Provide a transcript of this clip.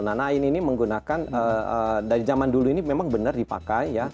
na'in ini menggunakan dari zaman dulu ini memang benar dipakai